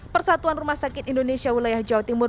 persatuan rumah sakit indonesia wilayah jawa timur